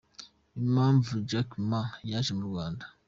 Impamvu Jack Ma yaje mu Rwanda.